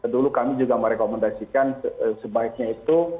dulu kami juga merekomendasikan sebaiknya itu